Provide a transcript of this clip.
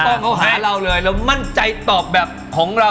โดกก็หาเราเลยแล้วแม่นใจตอบแบบของเรา